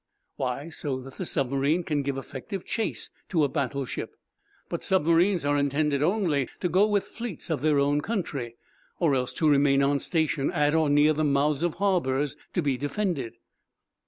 "Why, so that the submarine can give effective chase to a battleship." "But submarines are intended only to go with fleets of their own country, or else to remain on station at or near the mouths of harbors to be defended."